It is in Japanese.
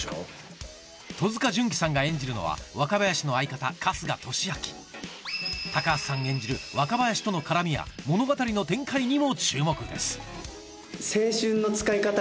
戸塚純貴さんが演じるのは若林の相方春日俊彰橋さん演じる若林との絡みや物語の展開にも注目です